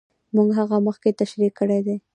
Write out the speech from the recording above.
موږ هغه مخکې تشرېح کړې دي.